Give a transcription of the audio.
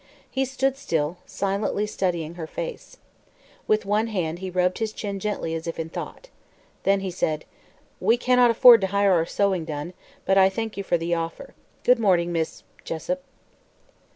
He stood still, silently studying her face. With one hand he rubbed his chin gently, as if in thought. Then he said: "We cannot afford to hire our sewing done, but I thank you for the offer. Good morning, Miss Jessup."